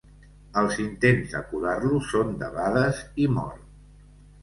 Els intents de curar-lo són debades i mor.